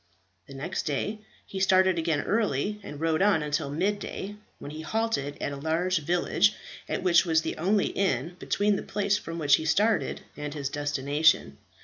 The next day he started again early, and rode on until mid day, when he halted at a large village, at which was the only inn between the place from which he started and his destination.